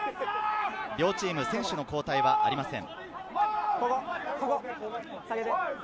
両チーム、選手の交代はありません。